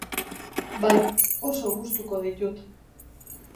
Bai, oso gustuko ditut.